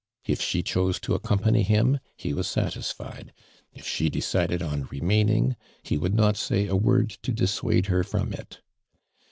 If she chose to accompany him ho was satisfied — if she de cided on remaining, he would not say a word to dissuaile her from it.